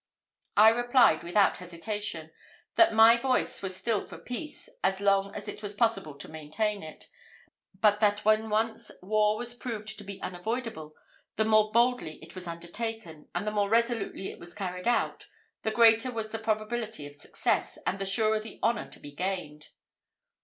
I replied without hesitation, that my voice was still for peace, as long as it was possible to maintain it; but that when once war was proved to be unavoidable, the more boldly it was undertaken, and the more resolutely it was carried on, the greater was the probability of success, and the surer the honour to be gained.